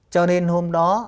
cho nên hôm đó